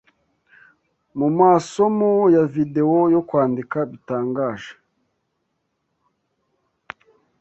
mumasomo ya videwo yo kwandika bitangaje